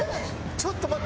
ちょっと待って！